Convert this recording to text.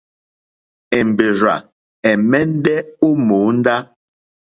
Èmbèrzà ɛ̀mɛ́ndɛ́ ó mòóndá.